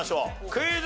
クイズ。